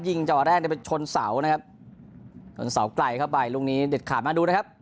ยิงจัวร์แรกไปชนเสาร์นะครับชนเสาร์ไกลเข้าไปลุงนี้เด็ดขาดมาดูนะครับ